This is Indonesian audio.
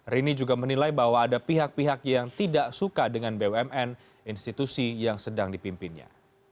rini juga menilai bahwa ada pihak pihak yang tidak suka dengan bumn institusi yang sedang dipimpinnya